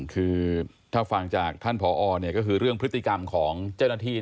คือถ้าฟังจากท่านผอก็คือเรื่องพฤติกรรมของเจ้าหน้าที่